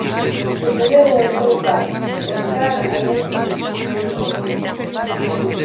Sucedeu ó seu pai o Tsar Alexis I no trono.